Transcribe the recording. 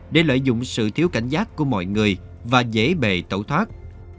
để lợi dụng sự thiếu cảnh giác của mọi người và dễ bị tẩu thoát